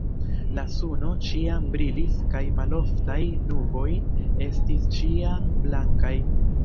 La suno ĉiam brilis kaj maloftaj nuboj estis ĉiam blankaj.